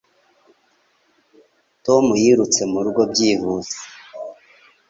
Tom yirutse murugo byihuse.